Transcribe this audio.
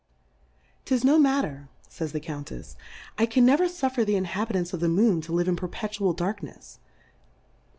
'Tis no matter, fays the Countefs^ I can never fuffer the Inhabitants of the Moon to live in perpetual Darknefs.